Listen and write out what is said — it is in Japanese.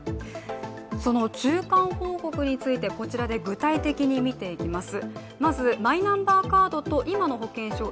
その中間報告についてこちらで具体的に見ていきます。